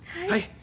はい。